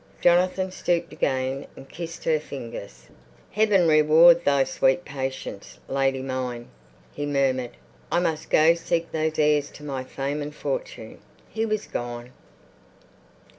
Jonathan stooped again and kissed her fingers. "Heaven reward thy sweet patience, lady mine," he murmured. "I must go seek those heirs to my fame and fortune...." He was gone.